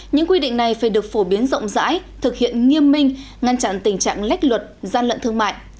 những quy định này phải được phổ biến rộng rãi thực hiện nghiêm minh ngăn chặn tình trạng lách luật gian lận thương mại